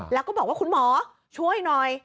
แล้วก็บอกว่าคุณหมอช่วยหน่อย